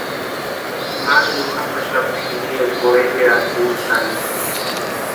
Mario jamaxapti jiniesï Morelia kustani.